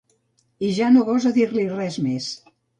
I ja no gosa dir-li res més.